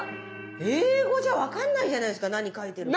英語じゃ分かんないじゃないですか何書いてるか。